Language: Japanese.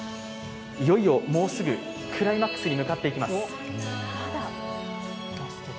いよいよ、もうすぐクライマックスに向かっていきます。